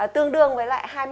tương đương với lại